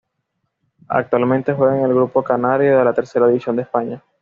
Actualmente juega en la grupo canario de la Tercera División de España.